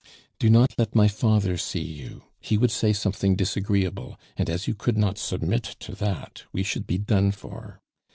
"Do not let my father see you; he would say something disagreeable; and as you could not submit to that, we should be done for.